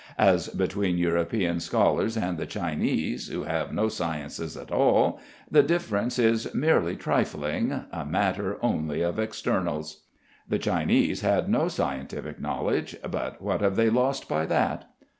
As between European scholars and the Chinese who have no sciences at all the difference is merely trifling, a matter only of externals. The Chinese had no scientific knowledge, but what have they lost by that?"